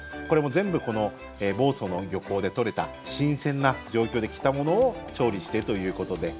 全部この房総の漁港で取れた新鮮な状況で来たものを調理しているということで。